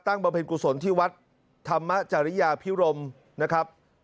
ตั้งบลงพฤษกุศลที่วัดธรรมจริยาภิโรมนะครับ